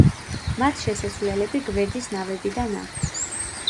მათ შესასვლელები გვერდის ნავებიდან აქვთ.